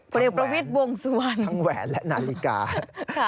พลเอกประวิทย์วงสุวรรณทั้งแหวนและนาฬิกาทั้งแหวน